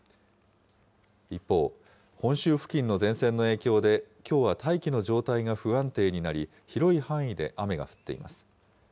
一方、本州付近の前線の影響で、きょうは大気の状態が不安定になり、広い範囲で雨が降っています。